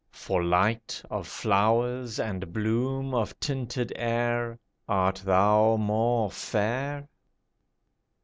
For light of flowers, and bloom of tinted air, Art thou more fair?